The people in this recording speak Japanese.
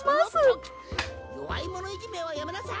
「よわいものいじめはやめなさい」。